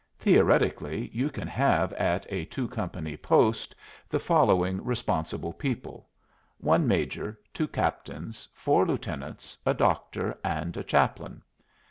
Theoretically, you can have at a two company post the following responsible people: one major, two captains, four lieutenants, a doctor, and a chaplain.